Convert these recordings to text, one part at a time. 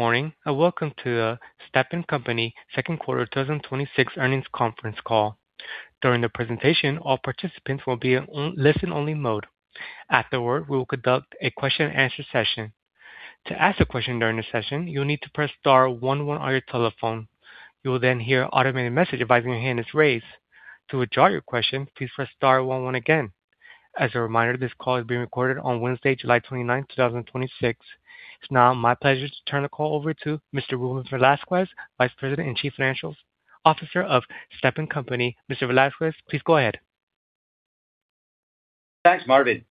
Morning, welcome to the Stepan Company second quarter 2026 earnings conference call. During the presentation, all participants will be in listen-only mode. Afterward, we will conduct a question and answer session. To ask a question during the session, you will need to press star one one on your telephone. You will then hear an automated message advising your hand is raised. To withdraw your question, please press star one one again. As a reminder, this call is being recorded on Wednesday, July 29, 2026. It's now my pleasure to turn the call over to Mr. Ruben Velasquez, Vice President and Chief Financial Officer of Stepan Company. Mr. Velasquez, please go ahead. Thanks, Marvin.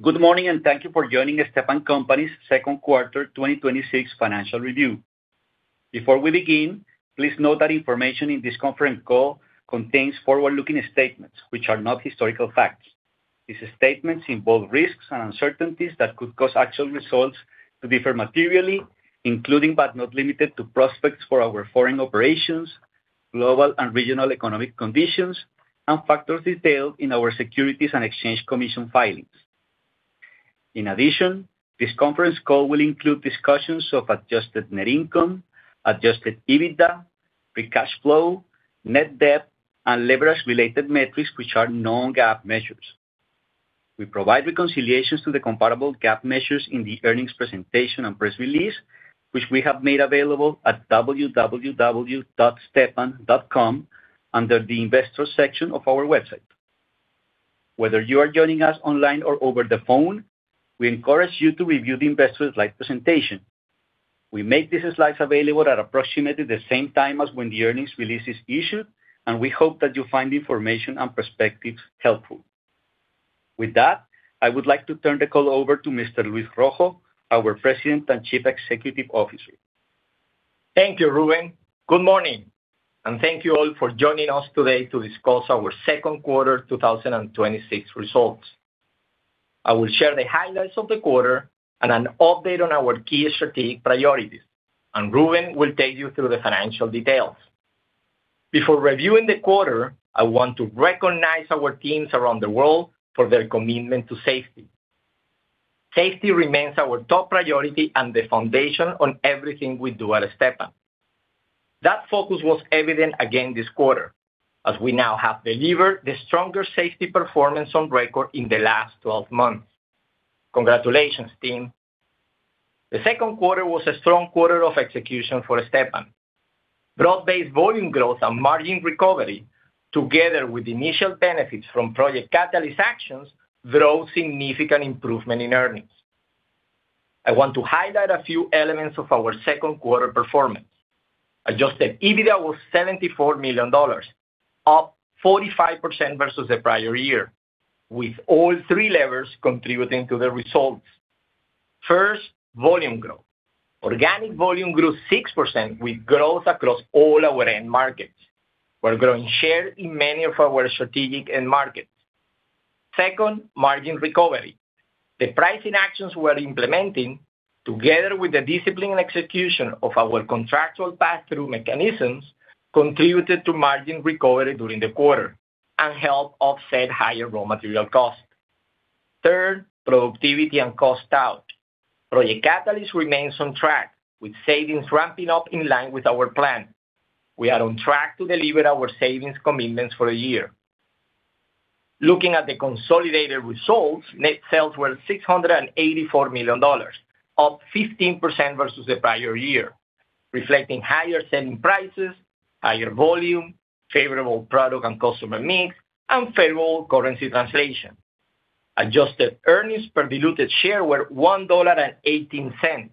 Good morning, thank you for joining Stepan Company's second quarter 2026 financial review. Before we begin, please note that information in this conference call contains forward-looking statements, which are not historical facts. These statements involve risks and uncertainties that could cause actual results to differ materially, including but not limited to prospects for our foreign operations, global and regional economic conditions, and factors detailed in our Securities and Exchange Commission filings. In addition, this conference call will include discussions of adjusted net income, adjusted EBITDA, free cash flow, net debt, and leverage-related metrics, which are non-GAAP measures. We provide reconciliations to the comparable GAAP measures in the earnings presentation and press release, which we have made available at www.stepan.com under the Investors section of our website. Whether you are joining us online or over the phone, we encourage you to review the investor slide presentation. We make these slides available at approximately the same time as when the earnings release is issued. We hope that you find the information and perspectives helpful. With that, I would like to turn the call over to Mr. Luis Rojo, our President and Chief Executive Officer. Thank you, Ruben. Good morning, thank you all for joining us today to discuss our second quarter 2026 results. I will share the highlights of the quarter and an update on our key strategic priorities. Ruben will take you through the financial details. Before reviewing the quarter, I want to recognize our teams around the world for their commitment to safety. Safety remains our top priority and the foundation on everything we do at Stepan. That focus was evident again this quarter, as we now have delivered the stronger safety performance on record in the last 12 months. Congratulations, team. The second quarter was a strong quarter of execution for Stepan. Broad-based volume growth and margin recovery, together with initial benefits from Project Catalyst actions, drove significant improvement in earnings. I want to highlight a few elements of our second quarter performance. Adjusted EBITDA was $74 million, up 45% versus the prior year, with all three levers contributing to the results. First, volume growth. Organic volume grew 6% with growth across all our end markets. We are growing share in many of our strategic end markets. Second, margin recovery. The pricing actions we are implementing, together with the disciplined execution of our contractual passthrough mechanisms, contributed to margin recovery during the quarter and helped offset higher raw material costs. Third, productivity and cost out. Project Catalyst remains on track, with savings ramping up in line with our plan. We are on track to deliver our savings commitments for the year. Looking at the consolidated results, net sales were $684 million, up 15% versus the prior year, reflecting higher selling prices, higher volume, favorable product and customer mix, and favorable currency translation. Adjusted earnings per diluted share were $1.18,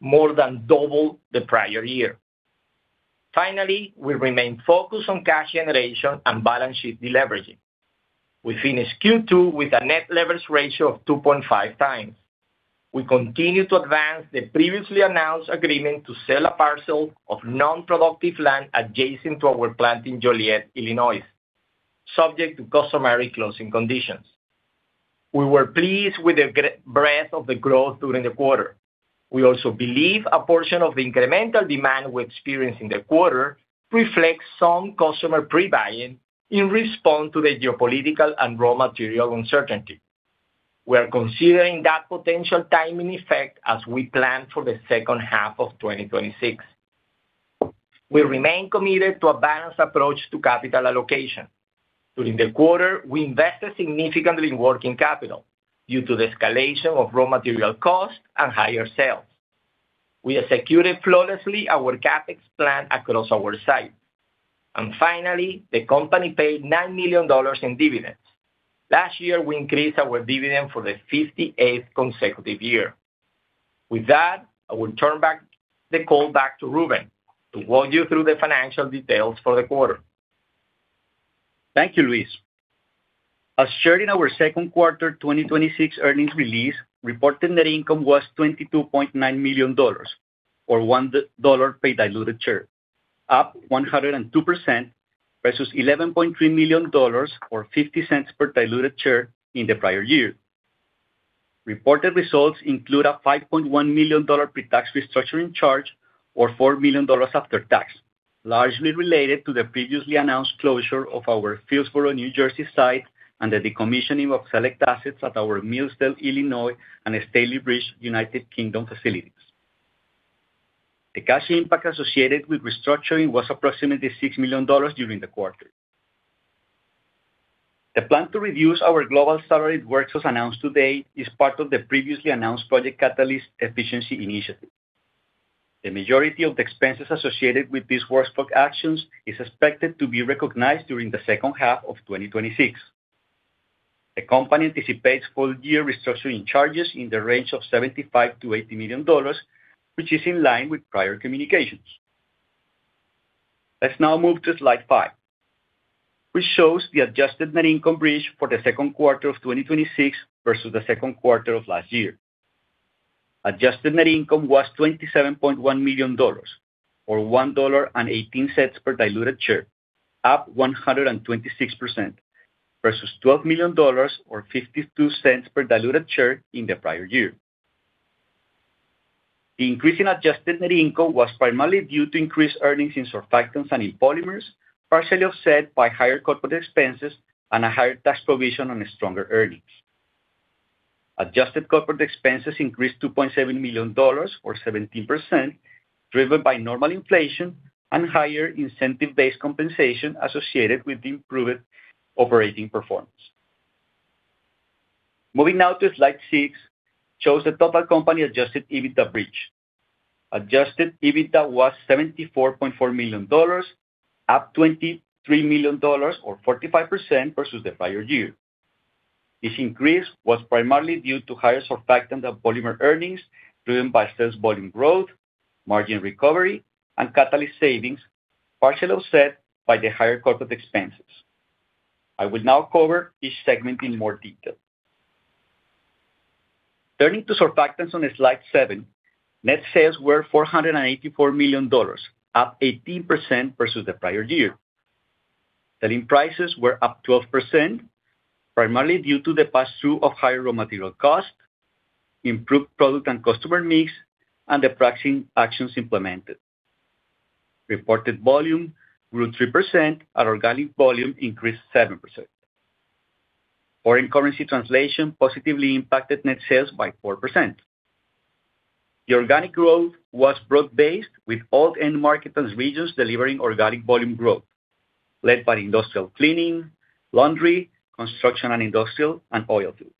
more than double the prior year. Finally, we remain focused on cash generation and balance sheet deleveraging. We finished Q2 with a net leverage ratio of 2.5x. We continue to advance the previously announced agreement to sell a parcel of non-productive land adjacent to our plant in Joliet, Illinois, subject to customary closing conditions. We were pleased with the breadth of the growth during the quarter. We also believe a portion of the incremental demand we experienced in the quarter reflects some customer pre-buying in response to the geopolitical and raw material uncertainty. We are considering that potential timing effect as we plan for the second half of 2026. We remain committed to a balanced approach to capital allocation. During the quarter, we invested significantly in working capital due to the escalation of raw material costs and higher sales. We executed flawlessly our CapEx plan across our sites. Finally, the company paid $9 million in dividends. Last year, we increased our dividend for the 58th consecutive year. With that, I will turn the call back to Ruben to walk you through the financial details for the quarter. Thank you, Luis. As shared in our second quarter 2026 earnings release, reported net income was $22.9 million, or $1 per diluted share, up 102%, versus $11.3 million, or $0.50 per diluted share in the prior year. Reported results include a $5.1 million pre-tax restructuring charge, or $4 million after tax. Largely related to the previously announced closure of our Fieldsboro, New Jersey site and the decommissioning of select assets at our Millsdale, Illinois, and Stalybridge, United Kingdom facilities. The cash impact associated with restructuring was approximately $6 million during the quarter. The plan to reduce our global salaried workforce announced today is part of the previously announced Project Catalyst efficiency initiative. The majority of the expenses associated with these workforce actions is expected to be recognized during the second half of 2026. The company anticipates full-year restructuring charges in the range of $75 million-$80 million, which is in line with prior communications. Let's now move to slide five, which shows the adjusted net income bridge for the second quarter of 2026 versus the second quarter of last year. Adjusted net income was $27.1 million, or $1.18 per diluted share, up 126%, versus $12 million, or $0.52 per diluted share in the prior year. The increase in adjusted net income was primarily due to increased earnings in Surfactants and in Polymers, partially offset by higher corporate expenses and a higher tax provision on stronger earnings. Adjusted corporate expenses increased to $2.7 million, or 17%, driven by normal inflation and higher incentive-based compensation associated with the improved operating performance. Moving now to slide six, shows the total company adjusted EBITDA bridge. Adjusted EBITDA was $74.4 million, up $23 million or 45% versus the prior year. This increase was primarily due to higher Surfactant and Polymer earnings, driven by sales volume growth, margin recovery, and catalyst savings, partially offset by the higher corporate expenses. I will now cover each segment in more detail. Turning to Surfactants on slide seven. Net sales were $484 million, up 18% versus the prior year. Selling prices were up 12%, primarily due to the pass-through of higher raw material costs, improved product and customer mix, and the pricing actions implemented. Reported volume grew 3% and organic volume increased 7%. Foreign currency translation positively impacted net sales by 4%. The organic growth was broad-based, with all end markets and regions delivering organic volume growth, led by industrial cleaning, laundry, construction and industrial, and oil field.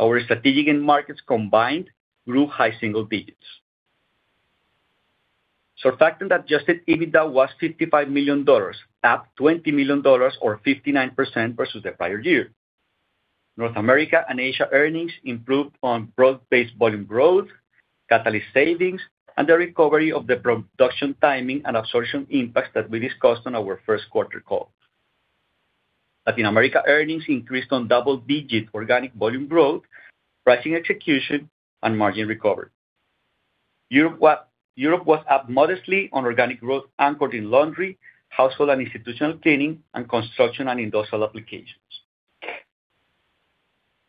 Our strategic end markets combined grew high single digits. Surfactant adjusted EBITDA was $55 million, up $20 million or 59% versus the prior year. North America and Asia earnings improved on broad-based volume growth, catalyst savings, and the recovery of the production timing and absorption impacts that we discussed on our first quarter call. Latin America earnings increased on double-digit organic volume growth, pricing execution, and margin recovery. Europe was up modestly on organic growth anchored in laundry, household and institutional cleaning, and construction and industrial applications.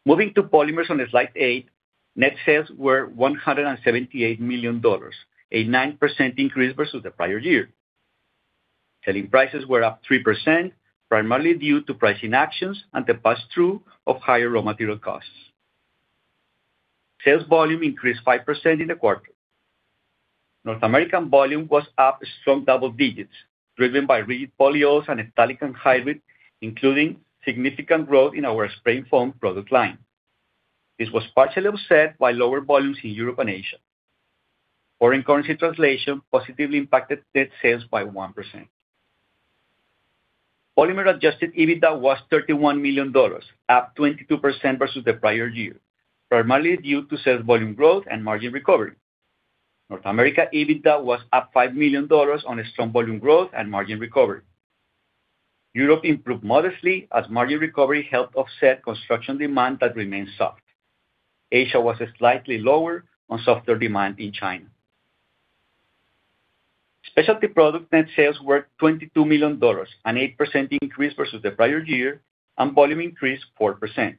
Moving to Polymers on slide eight. Net sales were $178 million, a 9% increase versus the prior year. Selling prices were up 3%, primarily due to pricing actions and the pass-through of higher raw material costs. Sales volume increased 5% in the quarter. North American volume was up strong double digits, driven by Rigid Polyols and Phthalic Anhydride, including significant growth in our spray foam product line. This was partially offset by lower volumes in Europe and Asia. Foreign currency translation positively impacted net sales by 1%. Polymer adjusted EBITDA was $31 million, up 22% versus the prior year, primarily due to sales volume growth and margin recovery. North America EBITDA was up $5 million on a strong volume growth and margin recovery. Europe improved modestly as margin recovery helped offset construction demand that remained soft. Asia was slightly lower on softer demand in China. Specialty Products net sales were $22 million, an 8% increase versus the prior year, and volume increased 4%.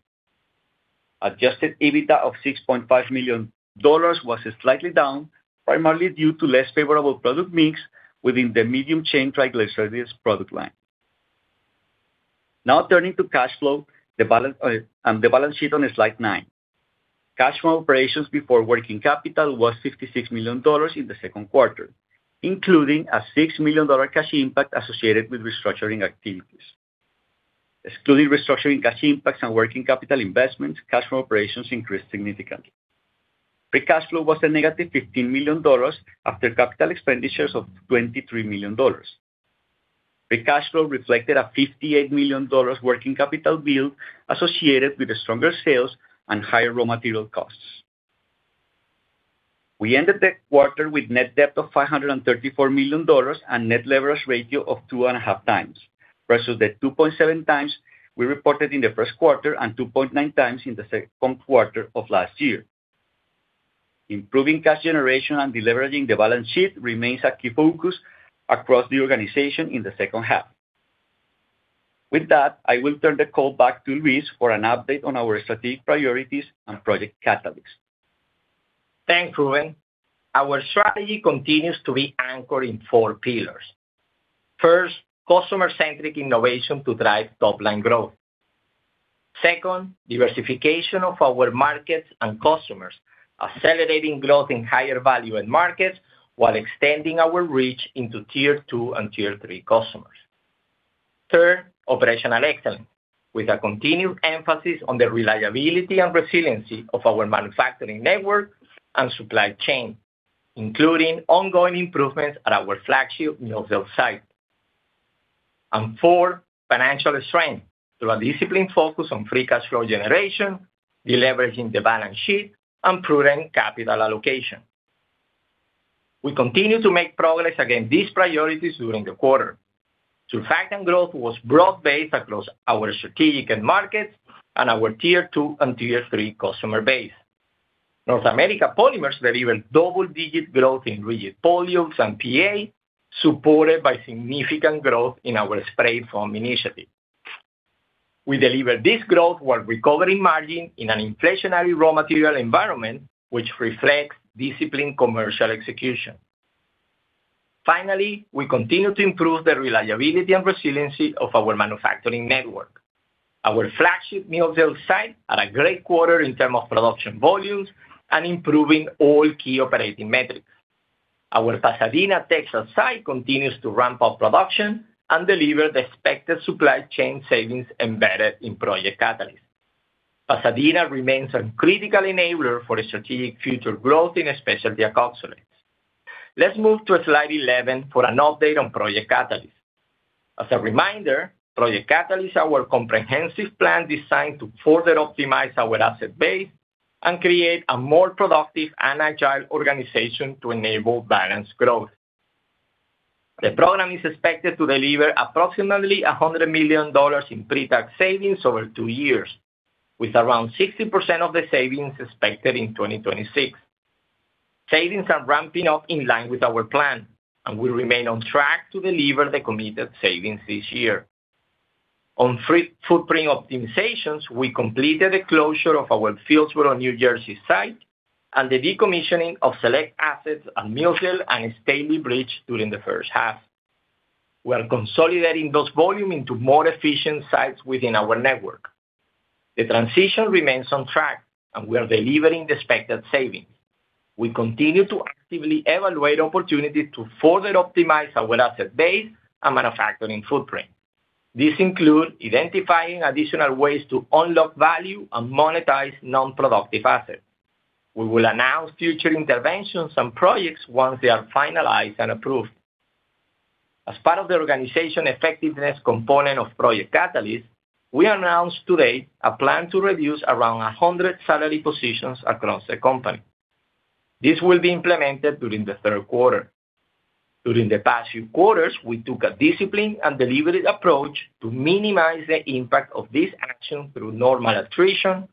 Adjusted EBITDA of $6.5 million was slightly down, primarily due to less favorable product mix within the medium-chain triglycerides product line. Now turning to cash flow and the balance sheet on slide nine. Cash from operations before working capital was $56 million in the second quarter, including a $6 million cash impact associated with restructuring activities. Excluding restructuring cash impacts and working capital investments, cash from operations increased significantly. Free cash flow was a negative $15 million after capital expenditures of $23 million. Free cash flow reflected a $58 million working capital build associated with the stronger sales and higher raw material costs. We ended the quarter with net debt of $534 million and net leverage ratio of 2.5x versus the 2.7x we reported in the first quarter, and 2.9x in the second quarter of last year. Improving cash generation and deleveraging the balance sheet remains a key focus across the organization in the second half. With that, I will turn the call back to Luis for an update on our strategic priorities and Project Catalyst. Thanks, Ruben. Our strategy continues to be anchored in four pillars. First, customer-centric innovation to drive top-line growth. Second, diversification of our markets and customers, accelerating growth in higher value-add markets while extending our reach into Tier 2 and Tier 3 customers. Third, operational excellence, with a continued emphasis on the reliability and resiliency of our manufacturing network and supply chain, including ongoing improvements at our flagship Millsdale site. Four, financial strength through a disciplined focus on free cash flow generation, deleveraging the balance sheet, and prudent capital allocation. We continue to make progress against these priorities during the quarter. Surfactants growth was broad-based across our strategic end markets and our Tier 2 and Tier 3 customer base. North America Polymers delivered double-digit growth in Rigid Polyols and PA, supported by significant growth in our spray foam initiative. We delivered this growth while recovering margin in an inflationary raw material environment, which reflects disciplined commercial execution. Finally, we continue to improve the reliability and resiliency of our manufacturing network. Our flagship Millsdale site had a great quarter in terms of production volumes and improving all key operating metrics. Our Pasadena, Texas, site continues to ramp up production and deliver the expected supply chain savings embedded in Project Catalyst. Pasadena remains a critical enabler for strategic future growth in specialty sulfonates. Let's move to slide 11 for an update on Project Catalyst. As a reminder, Project Catalyst is our comprehensive plan designed to further optimize our asset base and create a more productive and agile organization to enable balanced growth. The program is expected to deliver approximately $100 million in pre-tax savings over two years, with around 60% of the savings expected in 2026. Savings are ramping up in line with our plan, and we remain on track to deliver the committed savings this year. On footprint optimizations, we completed the closure of our Fieldsboro, New Jersey, site and the decommissioning of select assets at Millsdale and Stalybridge during the first half. We are consolidating those volumes into more efficient sites within our network. The transition remains on track, and we are delivering the expected savings. We continue to actively evaluate opportunities to further optimize our asset base and manufacturing footprint. This includes identifying additional ways to unlock value and monetize non-productive assets. We will announce future interventions and projects once they are finalized and approved. As part of the organization effectiveness component of Project Catalyst, we announced today a plan to reduce around 100 salary positions across the company. This will be implemented during the third quarter. During the past few quarters, we took a disciplined and deliberate approach to minimize the impact of this action through normal attrition,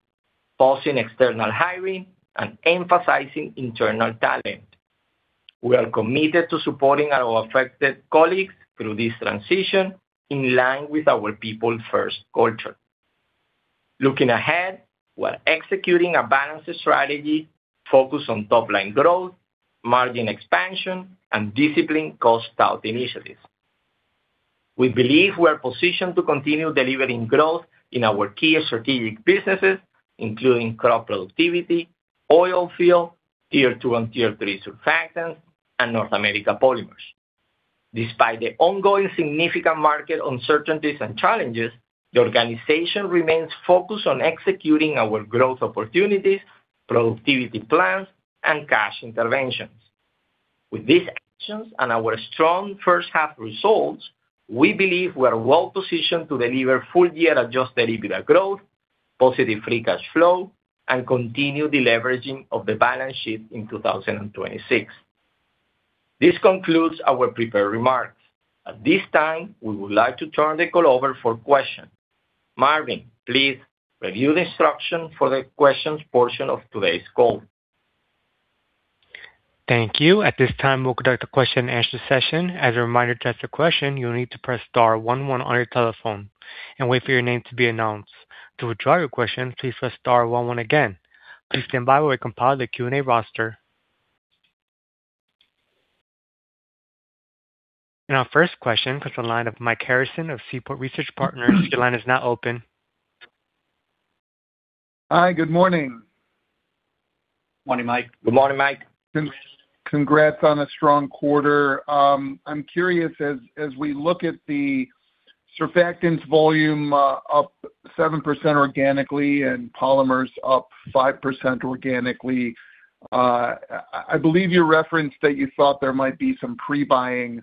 pausing external hiring, and emphasizing internal talent. We are committed to supporting our affected colleagues through this transition in line with our people-first culture. Looking ahead, we're executing a balanced strategy focused on top-line growth, margin expansion, and disciplined cost-out initiatives. We believe we are positioned to continue delivering growth in our key strategic businesses, including crop productivity, oilfield, Tier 2 and Tier 3 Surfactants, and North America Polymers. Despite the ongoing significant market uncertainties and challenges, the organization remains focused on executing our growth opportunities, productivity plans, and cash interventions. With these actions and our strong first half results, we believe we are well-positioned to deliver full-year adjusted EBITDA growth, positive free cash flow, and continued deleveraging of the balance sheet in 2026. This concludes our prepared remarks. At this time, we would like to turn the call over for questions. Marvin, please review the instructions for the questions portion of today's call. Thank you. At this time, we'll conduct a question and answer session. As a reminder to ask a question, you'll need to press star one one on your telephone and wait for your name to be announced. To withdraw your question, please press star one one again. Please stand by while we compile the Q&A roster. Our first question comes on the line of Mike Harrison of Seaport Research Partners. Your line is now open. Hi, good morning. Morning, Mike. Good morning, Mike. Congrats on a strong quarter. I'm curious, as we look at the Surfactants volume up 7% organically and Polymers up 5% organically, I believe you referenced that you thought there might be some pre-buying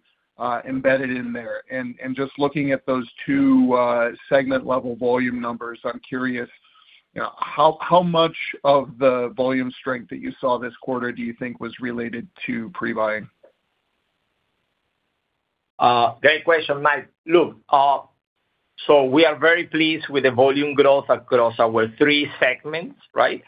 embedded in there. Just looking at those two segment-level volume numbers, I'm curious, how much of the volume strength that you saw this quarter do you think was related to pre-buying? Great question, Mike. We are very pleased with the volume growth across our three segments, right?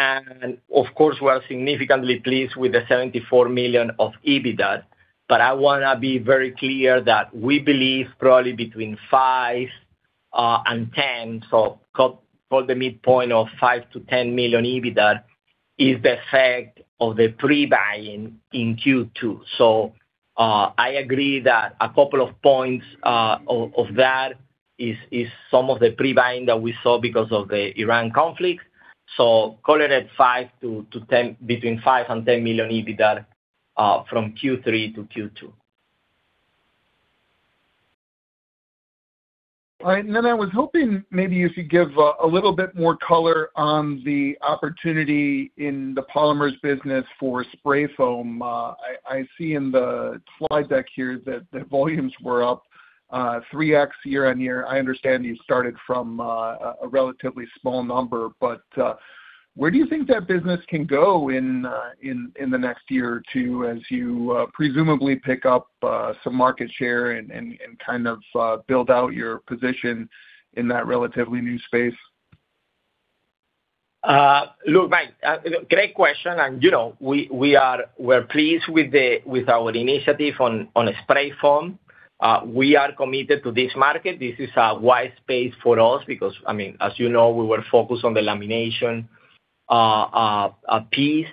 Of course, we are significantly pleased with the $74 million of EBITDA. I want to be very clear that we believe probably between five and 10, so call the midpoint of $5 million-$10 million EBITDA is the effect of the pre-buying in Q2. I agree that a couple of points of that is some of the pre-buying that we saw because of the Iran conflict. Call it between $5 million-$10 million EBITDA from Q3 to Q2. All right. I was hoping maybe you could give a little bit more color on the opportunity in the Polymers business for spray foam. I see in the slide deck here that the volumes were up 3x year-over-year. I understand you started from a relatively small number, where do you think that business can go in the next one or two years as you presumably pick up some market share and kind of build out your position in that relatively new space? Look, Mike, great question. We're pleased with our initiative on spray foam. We are committed to this market. This is a wide space for us because, as you know, we were focused on the lamination piece.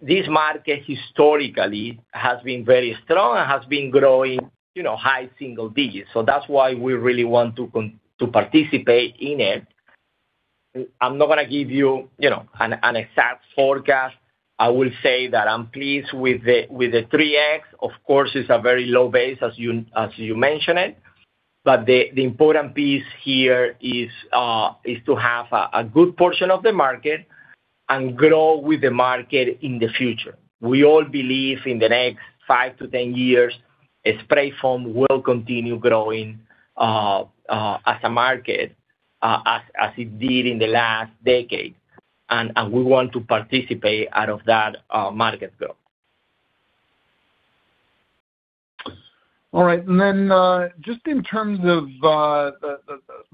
This market historically has been very strong and has been growing high single digits. That's why we really want to participate in it. I'm not going to give you an exact forecast. I will say that I'm pleased with the 3x. Of course, it's a very low base as you mentioned it. The important piece here is to have a good portion of the market and grow with the market in the future. We all believe in the next five to 10 years, spray foam will continue growing as a market as it did in the last decade. We want to participate out of that market growth. All right. Just in terms of the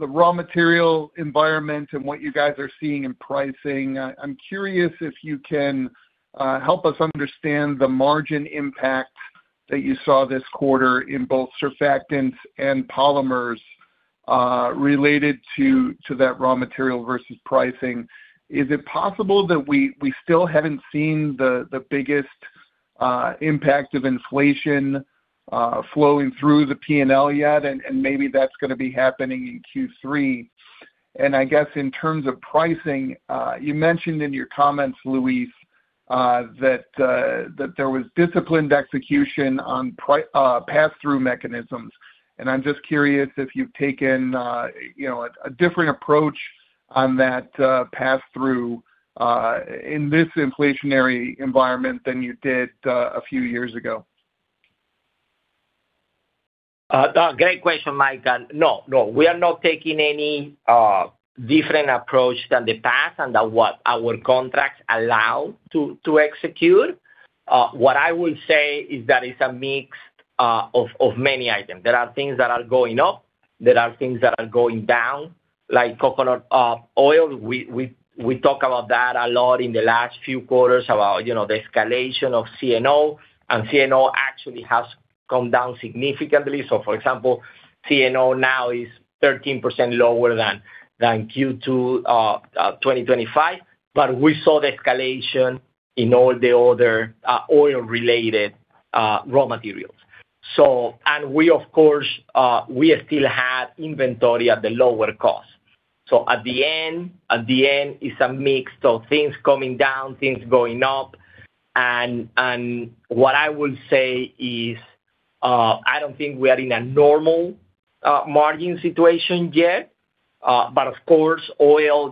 raw material environment and what you guys are seeing in pricing, I'm curious if you can help us understand the margin impact that you saw this quarter in both Surfactants and Polymers, related to that raw material versus pricing. Is it possible that we still haven't seen the biggest impact of inflation flowing through the P&L yet, and maybe that's going to be happening in Q3? I guess in terms of pricing, you mentioned in your comments, Luis, that there was disciplined execution on pass-through mechanisms. I'm just curious if you've taken a different approach on that pass-through in this inflationary environment than you did a few years ago. Great question, Mike. No, we are not taking any different approach than the past and than what our contracts allow to execute. What I will say is that it's a mix of many items. There are things that are going up. There are things that are going down, like coconut oil. We talk about that a lot in the last few quarters about the escalation of CNO, and CNO actually has come down significantly. For example, CNO now is 13% lower than Q2 2025. We saw the escalation in all the other oil-related raw materials. We of course, we still have inventory at the lower cost. At the end, it's a mix of things coming down, things going up. What I will say is I don't think we are in a normal margin situation yet. Of course, oil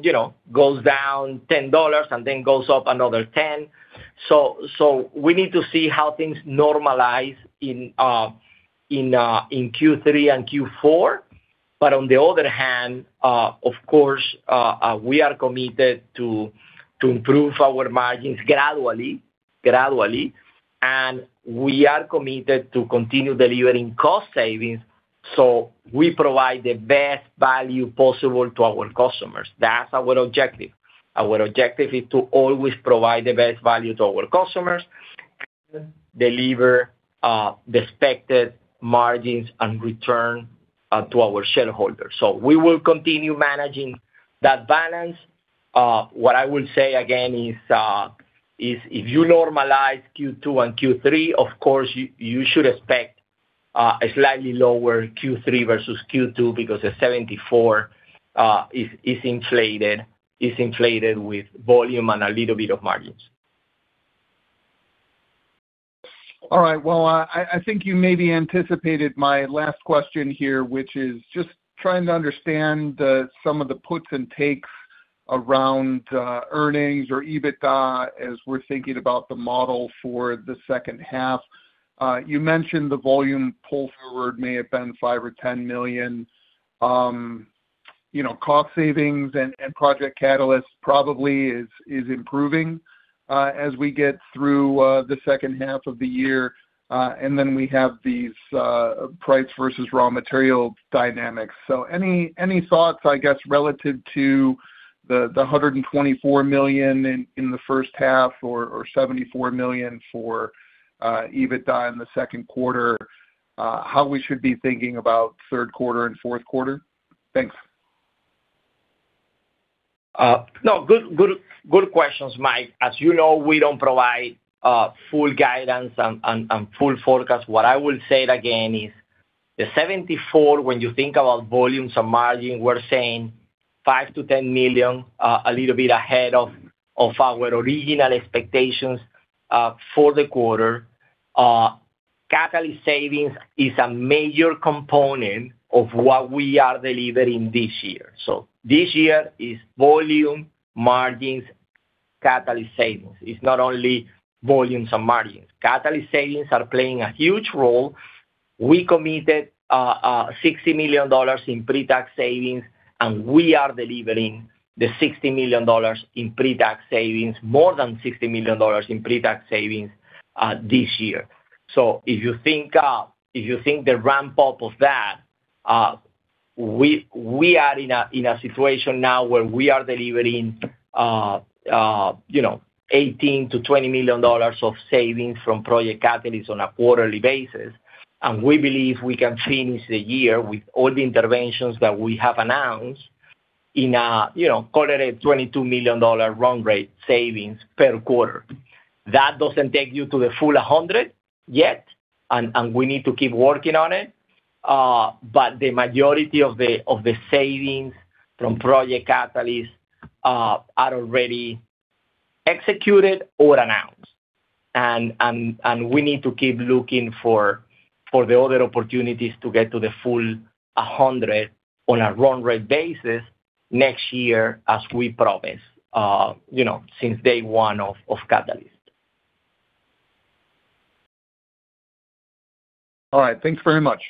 goes down $10 and then goes up another $10. We need to see how things normalize in Q3 and Q4. On the other hand, of course, we are committed to improve our margins gradually, and we are committed to continue delivering cost savings so we provide the best value possible to our customers. That's our objective. Our objective is to always provide the best value to our customers, deliver the expected margins and return to our shareholders. We will continue managing that balance. What I will say again is if you normalize Q2 and Q3, of course, you should expect a slightly lower Q3 versus Q2 because the $74 is inflated with volume and a little bit of margins. All right. Well, I think you maybe anticipated my last question here, which is just trying to understand some of the puts and takes around earnings or EBITDA as we're thinking about the model for the second half. You mentioned the volume pull forward may have been $5 million or $10 million. Cost savings and Project Catalyst probably is improving as we get through the second half of the year. Then we have these price versus raw material dynamics. Any thoughts, I guess, relative to the $124 million in the first half or $74 million for EBITDA in the second quarter, how we should be thinking about third quarter and fourth quarter? Thanks. No. Good questions, Mike. As you know, we don't provide full guidance and full forecast. What I will say it again is the $74, when you think about volumes and margin, we're saying $5 million to $10 million, a little bit ahead of our original expectations for the quarter. Catalyst savings is a major component of what we are delivering this year. This year is volume, margins, Catalyst savings. It's not only volumes and margins. Catalyst savings are playing a huge role. We committed $60 million in pre-tax savings, and we are delivering the $60 million in pre-tax savings, more than $60 million in pre-tax savings this year. If you think the ramp-up of that, we are in a situation now where we are delivering $18 million to $20 million of savings from Project Catalyst on a quarterly basis. We believe we can finish the year with all the interventions that we have announced in a quarterly $22 million run rate savings per quarter. That doesn't take you to the full $100 million yet, and we need to keep working on it. The majority of the savings from Project Catalyst are already executed or announced. We need to keep looking for the other opportunities to get to the full $100 million on a run rate basis next year as we promised since day one of Catalyst. All right. Thanks very much.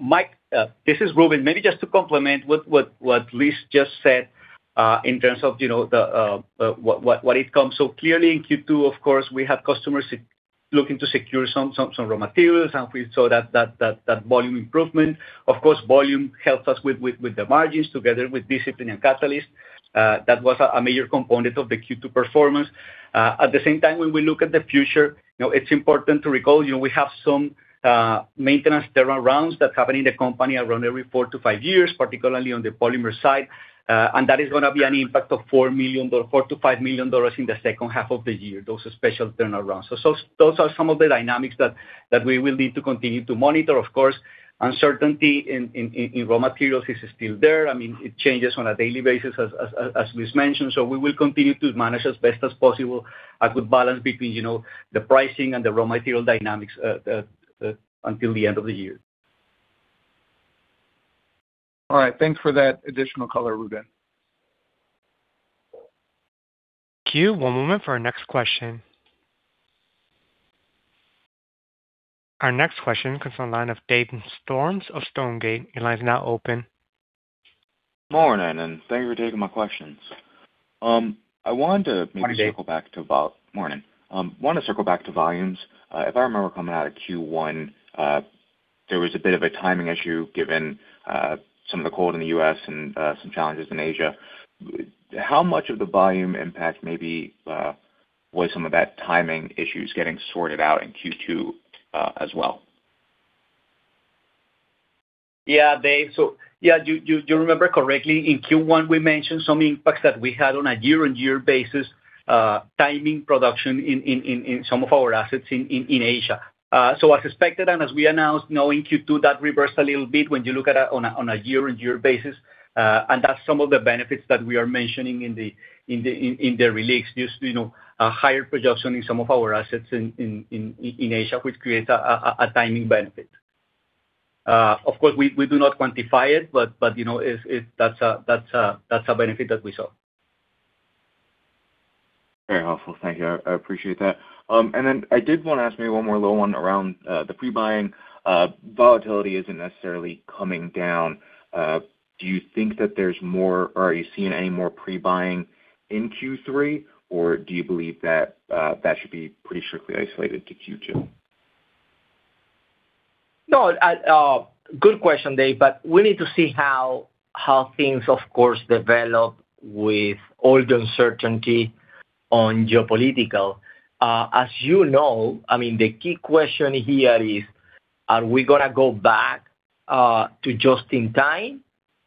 Mike, this is Ruben. Maybe just to complement what Luis just said, in terms of what it comes. Clearly in Q2, of course, we have customers looking to secure some raw materials, and we saw that volume improvement. Of course, volume helps us with the margins together with discipline and Catalyst. That was a major component of the Q2 performance. At the same time, when we look at the future, it's important to recall, we have some maintenance turnaround that happen in the company around every four to five years, particularly on the Polymers side. That is going to be an impact of $4 million to $5 million in the second half of the year. Those are special turnarounds. Those are some of the dynamics that we will need to continue to monitor, of course. Uncertainty in raw materials is still there. I mean, it changes on a daily basis, as Luis mentioned. We will continue to manage as best as possible, a good balance between the pricing and the raw material dynamics until the end of the year. All right. Thanks for that additional color, Ruben. Thank you. We'll move on for our next question. Our next question comes from the line of Dave Storms of Stonegate. Your line is now open. Morning. Thank you for taking my questions. Morning, Dave. Morning. Wanted to circle back to volumes. If I remember coming out of Q1, there was a bit of a timing issue given some of the cold in the U.S. and some challenges in Asia. How much of the volume impact may be was some of that timing issues getting sorted out in Q2 as well? Yeah, Dave. You remember correctly, in Q1, we mentioned some impacts that we had on a year-on-year basis, timing production in some of our assets in Asia. As expected and as we announced, now in Q2, that reversed a little bit when you look at it on a year-on-year basis. That's some of the benefits that we are mentioning in the release. Just a higher production in some of our assets in Asia, which creates a timing benefit. Of course, we do not quantify it, but that's a benefit that we saw. Very helpful. Thank you. I appreciate that. Then I did want to ask maybe one more little one around the pre-buying. Volatility isn't necessarily coming down. Do you think that there's more, or are you seeing any more pre-buying in Q3? Do you believe that should be pretty strictly isolated to Q2? No. Good question, Dave, we need to see how things, of course, develop with all the uncertainty on geopolitical. As you know, I mean, the key question here is: Are we going to go back to just in time,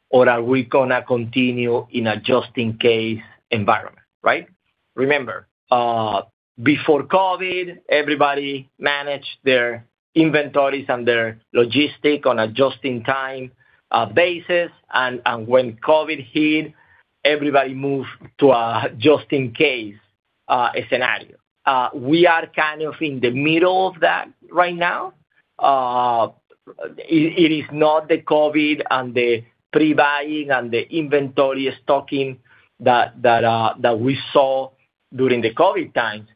or are we going to continue in a just in case environment, right? Remember, before COVID, everybody managed their inventories and their logistic on a just in time basis. When COVID hit, everybody moved to a just in case scenario. We are kind of in the middle of that right now. It is not the COVID and the pre-buying and the inventory stocking that we saw during the COVID times.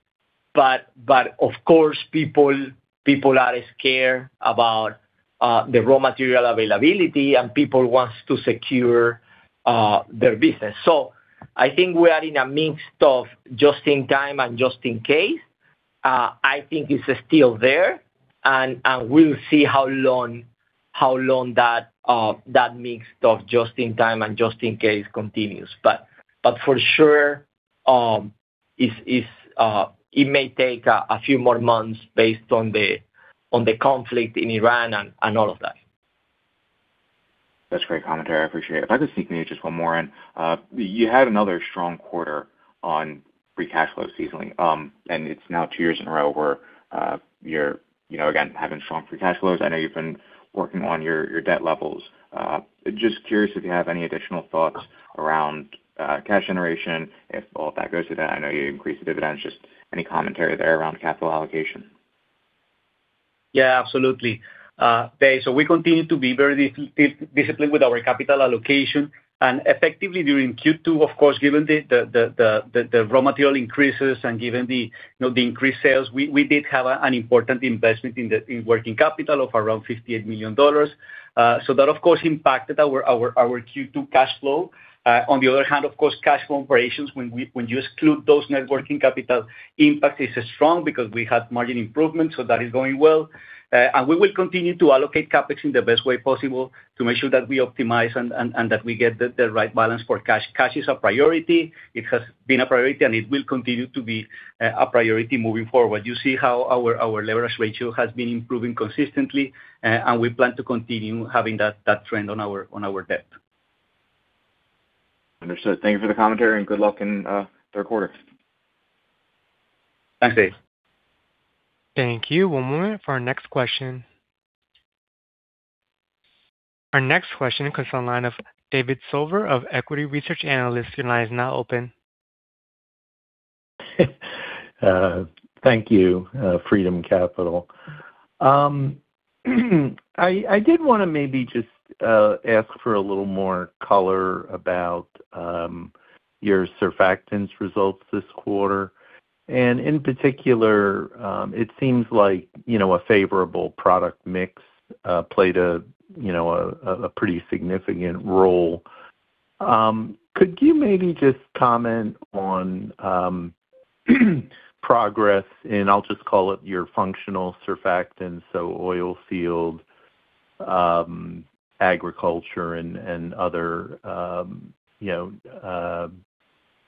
Of course, people are scared about the raw material availability, and people want to secure their business. I think we are in a mix of just in time and just in case. I think it's still there, and we'll see how long that mix of just in time and just in case continues. For sure, it may take a few more months based on the conflict in Iran and all of that. That's great commentary. I appreciate it. If I could sneak in just one more in. You had another strong quarter on free cash flow seasonally. It's now two years in a row where you're, again, having strong free cash flows. I know you've been working on your debt levels. Just curious if you have any additional thoughts around cash generation, if all that goes to that. I know you increased the dividends. Just any commentary there around capital allocation. Yeah, absolutely. Okay, we continue to be very disciplined with our capital allocation. Effectively during Q2, of course, given the raw material increases and given the increased sales, we did have an important investment in working capital of around $58 million. That, of course, impacted our Q2 cash flow. On the other hand, of course, cash from operations, when you exclude those net working capital impact, is strong because we had margin improvements, so that is going well. We will continue to allocate CapEx in the best way possible to make sure that we optimize and that we get the right balance for cash. Cash is a priority. It has been a priority, and it will continue to be a priority moving forward. You see how our leverage ratio has been improving consistently, and we plan to continue having that trend on our debt. Understood. Thank you for the commentary and good luck in third quarter. Thanks. Thank you. One moment for our next question. Our next question comes on line of David Silver of equity research analyst. Your line is now open. Thank you, Freedom Capital. I did want to maybe just ask for a little more color about your Surfactants results this quarter. In particular, it seems like a favorable product mix played a pretty significant role. Could you maybe just comment on progress in, I'll just call it your functional Surfactants, so oil field, agriculture, and other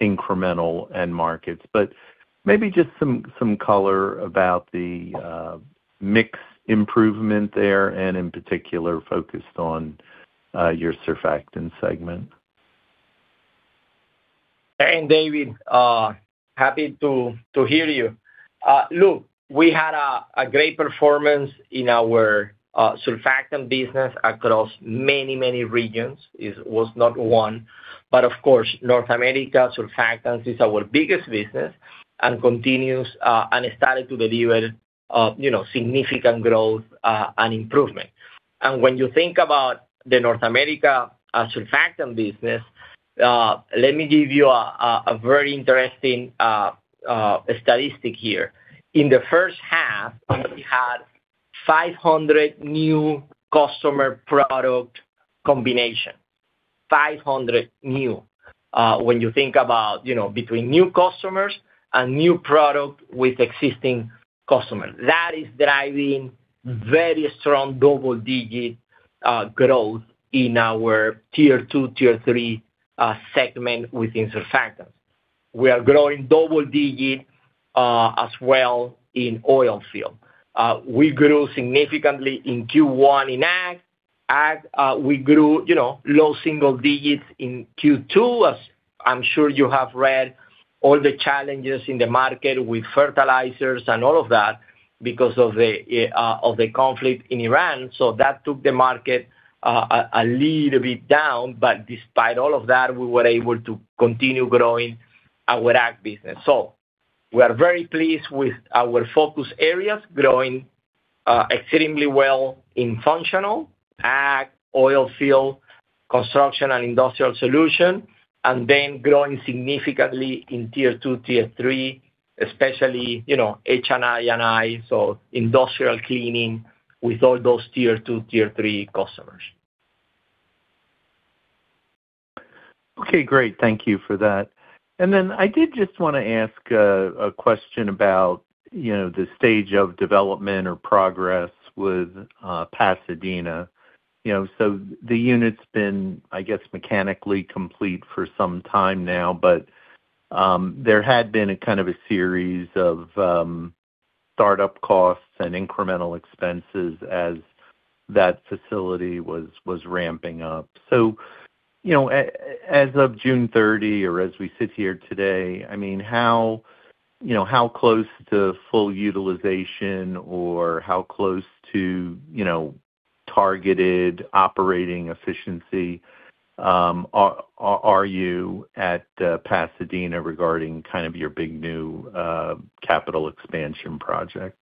incremental end markets. Maybe just some color about the mix improvement there, and in particular, focused on your Surfactants segment. Hey, David. Happy to hear you. Look, we had a great performance in our Surfactants business across many regions. It was not one. Of course, North America Surfactants is our biggest business and started to deliver significant growth and improvement. When you think about the North America Surfactants business, let me give you a very interesting statistic here. In the first half, we had 500 new customer product combination, 500 new. When you think about between new customers and new product with existing customers, that is driving very strong double-digit growth in our tier 2, tier 3 segment within Surfactants. We are growing double digits as well in oil field. We grew significantly in Q1 in ag. Ag, we grew low single digits in Q2. As I'm sure you have read all the challenges in the market with fertilizers and all of that because of the conflict in Iran. That took the market a little bit down, despite all of that, we were able to continue growing our ag business. We are very pleased with our focus areas, growing extremely well in functional ag, oil field, construction, and industrial solution, growing significantly in tier 2, tier 3, especially H&I, so industrial cleaning with all those tier 2, tier 3 customers. Okay, great. Thank you for that. I did just want to ask a question about the stage of development or progress with Pasadena. The unit's been, I guess, mechanically complete for some time now, but there had been a kind of a series of startup costs and incremental expenses as that facility was ramping up. As of June 30, or as we sit here today, how close to full utilization or how close to targeted operating efficiency are you at Pasadena regarding your big new capital expansion project?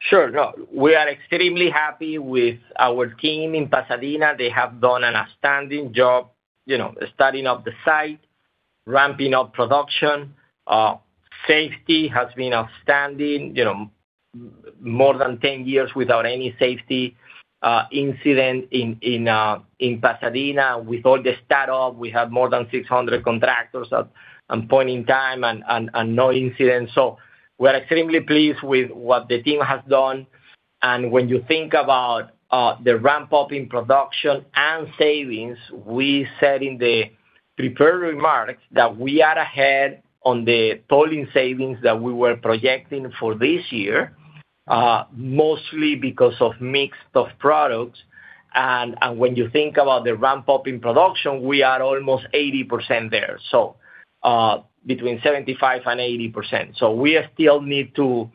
Sure. No, we are extremely happy with our team in Pasadena. They have done an outstanding job starting up the site, ramping up production. Safety has been outstanding, more than 10 years without any safety incident in Pasadena. With all the startup, we had more than 600 contractors at one point in time and no incidents. We're extremely pleased with what the team has done. When you think about the ramp-up in production and savings, we said in the prepared remarks that we are ahead on the tolling savings that we were projecting for this year, mostly because of mix of products. When you think about the ramp-up in production, we are almost 80% there. Between 75% and 80%. We still need to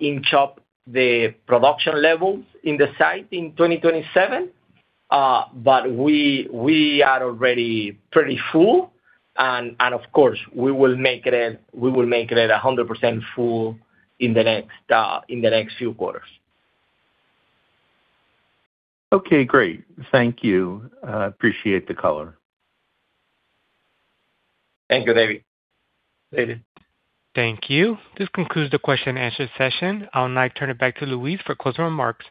inch up the production levels in the site in 2027. We are already pretty full, and of course, we will make it 100% full in the next few quarters. Okay, great. Thank you. Appreciate the color. Thank you, David. Thank you. This concludes the question and answer session. I'll now turn it back to Luis for closing remarks.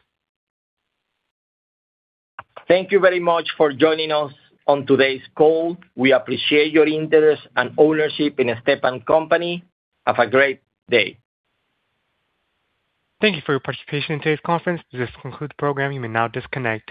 Thank you very much for joining us on today's call. We appreciate your interest and ownership in Stepan Company. Have a great day. Thank you for your participation in today's conference. This concludes the program. You may now disconnect.